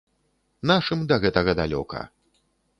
Нашым да гэтага далёка.